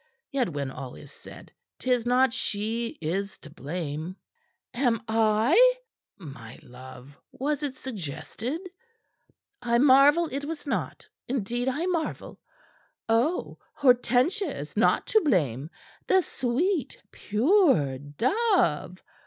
Yet, when all is said, 'tis not she is to blame." "Am I?" "My love! Was it suggested?" "I marvel it was not. Indeed, I marvel! Oh, Hortensia is not to blame, the sweet, pure dove!